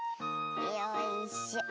よいしょ。